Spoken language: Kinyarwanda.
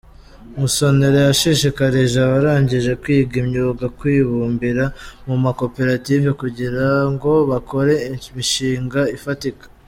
Musonera yashishikarije abarangije kwiga imyuga kwibumbira mu makoperative kugirango bakore imishinga ifatika.